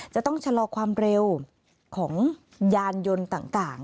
จะต้องชะลอความเร็วของยานยนต์ต่าง